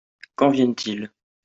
Quand viennent-ils ?